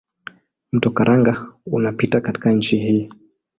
Mto Karanga unapita katika nchi hii.